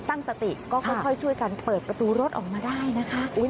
ตั้งสติก็ค่อยช่วยกันเปิดประตูรถออกมาได้นะคะ